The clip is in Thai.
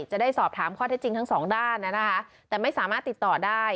จะได้สอบถามข้อเท็จจริงทั้งสองด้านนะคะแต่ไม่สามารถติดต่อได้